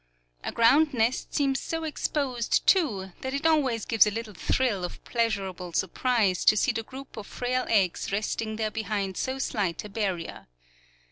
A ground nest seems so exposed, too, that it always gives a little thrill of pleasurable surprise to see the group of frail eggs resting there behind so slight a barrier.